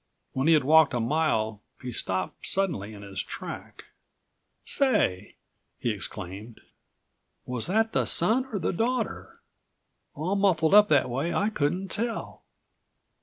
When he had walked a mile, he stopped suddenly in his track.74 "Say!" he exclaimed. "Was that the son or the daughter? All muffled up that way I couldn't tell."